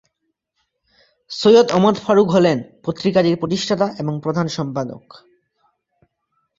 সৈয়দ ওমর ফারুক হলেন পত্রিকাটির প্রতিষ্ঠাতা এবং প্রধান সম্পাদক।